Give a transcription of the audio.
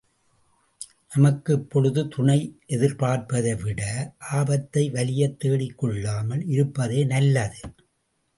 நமக்கு இப்பொழுது துணை எதிர்பார்ப்பதைவிட, ஆபத்தை வலியத் தேடிக்கொள்ளாமல் இருப்பதே நல்லது.